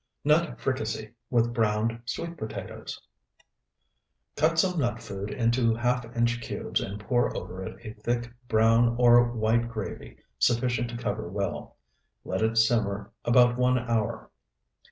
NUT FRICASSEE WITH BROWNED SWEET POTATOES Cut some nut food into half inch cubes and pour over it a thick, brown or white gravy sufficient to cover well. Let it simmer about one hour.